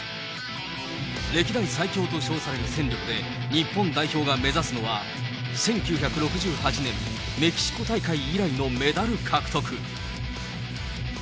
歴代最強と称される戦力で、日本代表が目指すのは、１９６８年、メキシコ大会以来のメダル獲得。